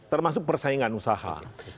termasuk persaingan usaha